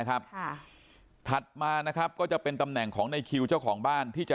ครับค่ะถัดมานะครับก็จะเป็นตำแหน่งของในคิวเจ้าของบ้านที่จะ